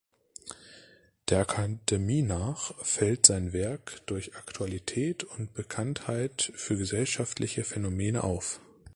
Der Akademie nach fällt sein Werk durch Aktualität und Bekanntheit für gesellschaftliche Phänomene auf.